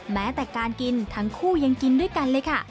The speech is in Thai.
แม้แต่การกินทั้งคู่ยังกินด้วยกันเลยค่ะ